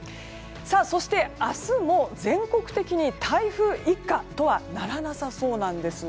そして明日も全国的に台風一過とはならなさそうです。